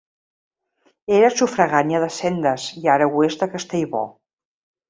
Era sufragània de Sendes i ara ho és de Castellbò.